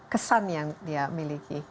kesan yang dia miliki